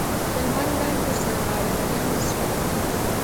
د لمر وړانګې ورسره غاړه غړۍ نه شوې.